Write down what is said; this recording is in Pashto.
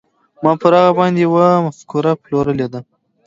ما پر هغه باندې يوه مفکوره پلورلې وه.